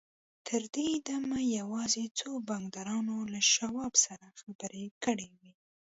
تر دې دمه يوازې څو بانکدارانو له شواب سره خبرې کړې وې.